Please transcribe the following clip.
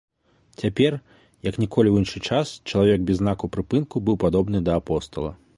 Цяпер, як ніколі ў іншы час, чалавек без знакаў прыпынку быў падобны да апостала.